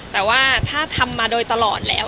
แต่ว่าถ้าทำมาโดยตลอดแล้ว